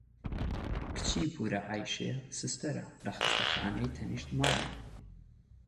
کچی پوورە عەیشێ سستەرە لە خەستانەی تەنیشت ماڵیان.